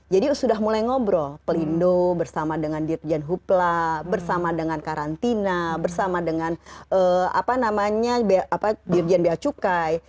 jadi sudah mulai ngobrol pelindo bersama dengan dirjian hupla bersama dengan karantina bersama dengan dirjian beacukai